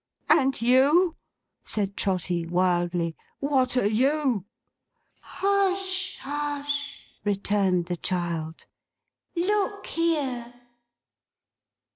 'And you,' said Trotty wildly. 'What are you?' 'Hush, hush!' returned the child. 'Look here!